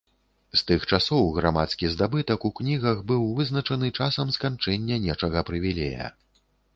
З тых часоў грамадскі здабытак у кнігах быў вызначаны часам сканчэння нечага прывілея.